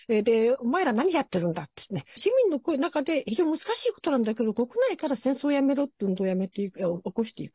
お前ら何やってるんだと市民の中で非常に難しいことなんだけど国内から戦争やめろという運動を起こしていく。